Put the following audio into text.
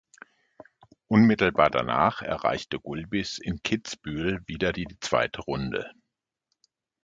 Unmittelbar danach erreichte Gulbis in Kitzbühel wieder die zweite Runde.